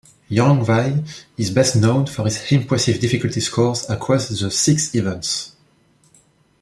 Yang Wei is best known for his impressive difficulty scores across the six events.